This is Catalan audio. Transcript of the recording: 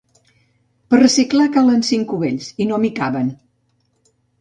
Per reciclar, calen cinc cubells i no m'hi caben.